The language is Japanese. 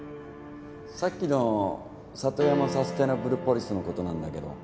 さっきの里山サステナブルポリスのことなんだけど。